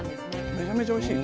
めちゃめちゃおいしい。